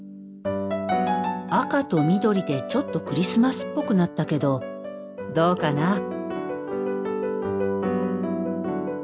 赤と緑でちょっとクリスマスっぽくなったけどどうかな？